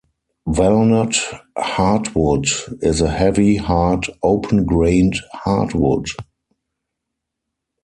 Walnut heartwood is a heavy, hard, open-grained hardwood.